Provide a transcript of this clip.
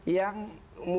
yang mulai menggunakan